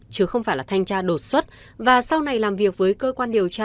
chứ không phải là thanh tra đột xuất và sau này làm việc với cơ quan điều tra